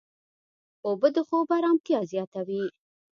اوبه د خوب ارامتیا زیاتوي.